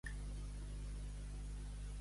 A la Barceloneta, moneda falsa.